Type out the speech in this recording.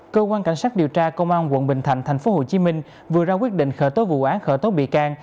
cơ quan cảnh sát điều tra công an quận bình thạnh tp hcm vừa ra quyết định khởi tố vụ án khởi tố bị can